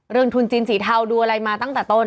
ทุนจีนสีเทาดูอะไรมาตั้งแต่ต้น